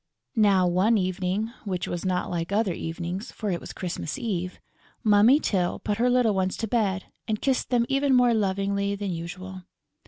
Now, one evening which was not like other evenings, for it was Christmas Eve, Mummy Tyl put her little ones to bed and kissed them even more lovingly than usual.